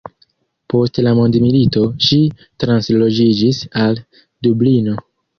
Post la mondmilito, ŝi transloĝiĝis al Dublino.